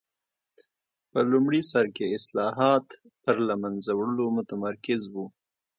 په لومړي سر کې اصلاحات پر له منځه وړلو متمرکز و.